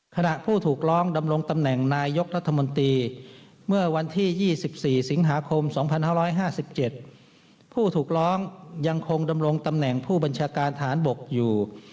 ขณะผู้ถูกร้องดำรงตำแหน่งนายกรัฐมนตรีเมื่อวันที่๒๔สิงหาคม๒๕๕๗ผู้ถูกร้องยังคงดำรงตำแหน่งผู้บัญชาการทหารบกอยู่